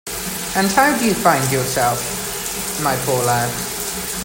And how do you find yourself, my poor lad?